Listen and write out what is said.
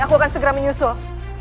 aku akan segera menyusul